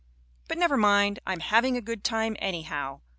But never mind, I'm having a good time, anyhow.